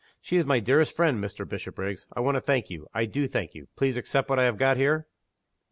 She is my dearest friend, Mr. Bishopriggs. I want to thank you. I do thank you. Please accept what I have got here?"